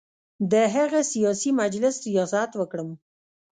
د هغه سیاسي مجلس ریاست وکړم.